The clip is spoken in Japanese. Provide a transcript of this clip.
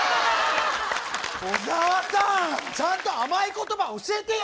小沢さんちゃんとあまい言葉教えてよ！